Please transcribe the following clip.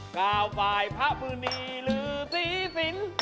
ก้าวปลายพระมือนีหลือสีสิน